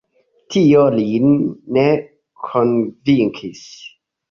Tio lin ne konvinkis.